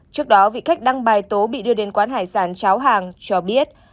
trước đó vị khách đăng bài tố bị đưa đến quán hải sản cháo hàng cho biết